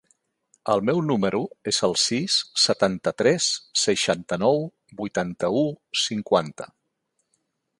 El meu número es el sis, setanta-tres, seixanta-nou, vuitanta-u, cinquanta.